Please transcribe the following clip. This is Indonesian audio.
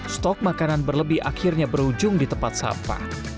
stok makanan berlebih akhirnya berujung di tempat sampah